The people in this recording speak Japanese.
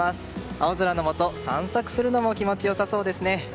青空のもと散策するのも気持ち良さそうですね。